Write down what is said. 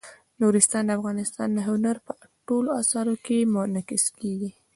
نورستان د افغانستان د هنر په ټولو اثارو کې منعکس کېږي.